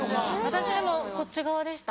私こっち側でした。